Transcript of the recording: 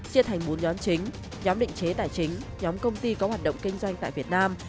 xiết thành bốn nhóm chính nhóm định chế tài chính nhóm công ty có hoạt động kinh doanh tại việt nam